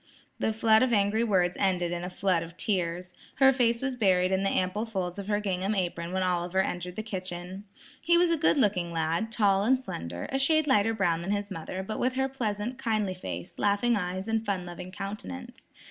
The flood of angry words ended in a flood of tears. Her face was buried in the ample folds of her gingham apron when Oliver entered the kitchen. He was a good looking lad, tall and slender, a shade lighter brown than his mother, but with her pleasant, kindly face, laughing eyes and fun loving countenance.